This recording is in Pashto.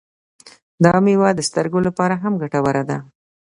دا میوه د سترګو لپاره هم ګټوره ده.